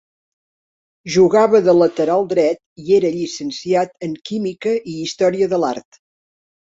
Jugava de lateral dret i era llicenciat en Química i Història de l'Art.